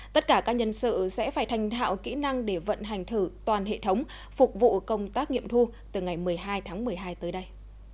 tất cả các nhân sự sẽ phải thành thạo kỹ năng để vận hành thử toàn hệ thống phục vụ công tác nghiệm thu từ ngày một mươi hai tháng một mươi hai tới đây